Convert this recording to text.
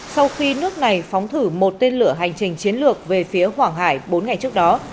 sau khi nước này phóng thử một tên lửa hành trình chiến lược về phía hoàng hải bốn ngày trước đó